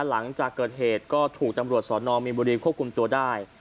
หลังจากเกิดเหตุก็ถูกตำรวจสอนอมมีนบุรีควบคุมตัวได้